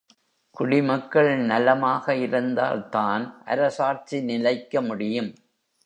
குடிமக்கள் நலமாக இருந்தால்தான் அரசாட்சி நிலைக்க முடியும்.